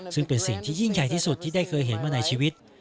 ซึ่งเป็นสิ่งที่ยิ่งใหญ่ที่สุดที่ได้เคยเห็นมาในชีวิต